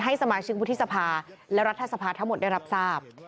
สมาชิกวุฒิสภาและรัฐสภาทั้งหมดได้รับทราบ